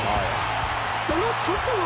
［その直後］